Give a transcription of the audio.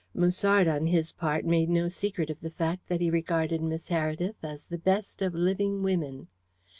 Musard, on his part, made no secret of the fact that he regarded Miss Heredith as the best of living women.